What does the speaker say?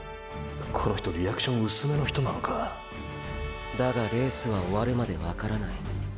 この人リアクションうすめの人なのかだがレースは終わるまでわからない。